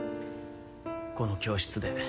この教室で。